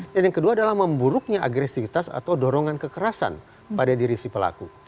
dan yang kedua adalah memburuknya agresivitas atau dorongan kekerasan pada diri si pelaku